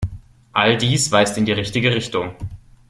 All dies weist in die richtige Richtung.